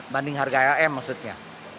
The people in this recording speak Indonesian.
banding harga am maksudnya